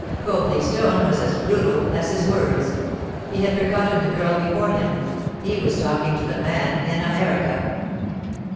Copley's tone was as brutal as his words. He had forgotten the girl before him; he was talking to the man in America.